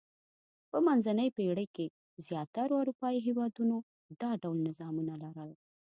په منځنۍ پېړۍ کې زیاترو اروپايي هېوادونو دا ډول نظامونه لرل.